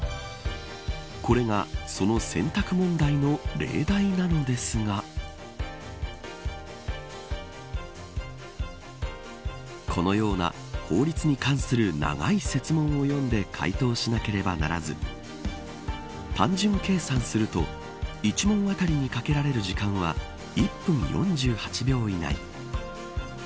これがその選択問題の例題なのですがこのような法律に関する長い設問を読んで回答しなければならず単純計算すると１問あたりにかけられる時間は１分４８秒以内。